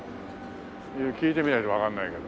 聞いてみないとわかんないけど。